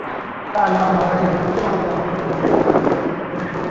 তবে আগে যেমন শুধু জনপ্রশাসনেই মেধাবী মুখগুলো দেখা যেত, এখন তেমন নয়।